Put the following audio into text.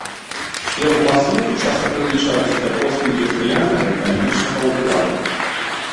Сферу паслуг часта прылічаюць да постіндустрыяльнага эканамічнага ўкладу.